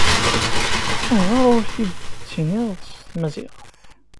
Ayɣer ur t-id-tettiniḍ s tmaziɣt?